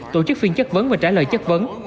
tổ chức phiên chất vấn và trả lời chất vấn